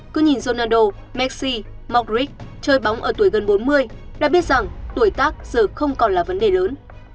cứ nhìn ronaldo messi modric chơi bóng ở tuổi gần bốn mươi đã biết rằng tuổi tác giờ không còn là vấn đề lớn